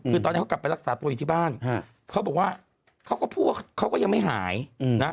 คือตอนนี้เขากลับไปรักษาตัวอยู่ที่บ้านเขาบอกว่าเขาก็พูดว่าเขาก็ยังไม่หายนะ